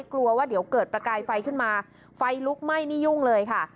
กลัวว่าเดี๋ยวเกิดประกายไฟขึ้นมาไฟลุกไหม้นี่ยุ่งเลยค่ะ